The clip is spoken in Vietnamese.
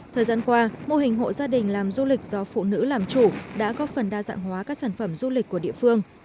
thời gian qua mô hình hộ gia đình làm du lịch do phụ nữ làm chủ đã góp phần đa dạng hóa các sản phẩm du lịch của địa phương